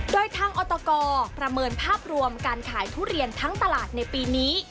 โดยทางอตกประเมินภาพรวมการขายทุเรียนทั้งตลาดในปีนี้